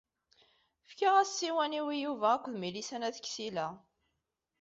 Fkiɣ-as ssiwan-iw i Yuba akked Milisa n At Ksila.